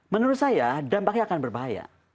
menurut saya dampaknya akan berbahaya